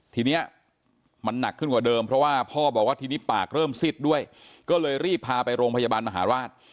ทีนี้มันหนักขึ้นกว่าเดิมเพราะว่าพ่อบอกว่าทีนี้ปากเริ่มซิดด้วยก็เลยรีบพาไปโรงพยาบาลมหาราช